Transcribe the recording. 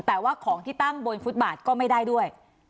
แต่ว่าของที่ตั้งบนฟุตบาทก็ไม่ได้ด้วย